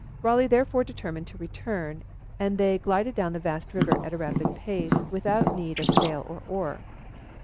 Raleigh therefore determined to return, and they glided down the vast river at a rapid pace, without need of sail or oar.